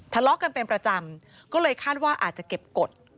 ทะเลาะกันเป็นประจำก็เลยคาดว่าอาจจะเก็บกฎ